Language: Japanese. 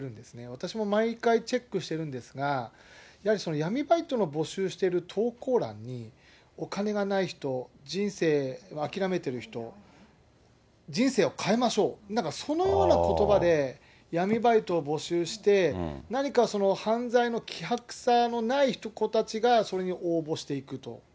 私も毎回チェックしているんですが、やはり闇バイトの募集している投稿欄に、お金がない人、人生諦めてる人、人生を変えましょう、なんかそのようなことばで、闇バイトを募集して、何か犯罪の希薄さのない子たちがそれに応募していくと。